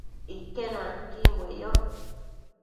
Iquenuanquimbue yoc